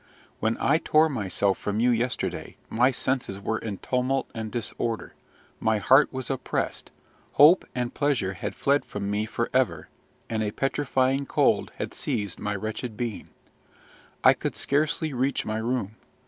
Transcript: When I tore myself from you yesterday, my senses were in tumult and disorder; my heart was oppressed, hope and pleasure had fled from me for ever, and a petrifying cold had seized my wretched being. I could scarcely reach my room.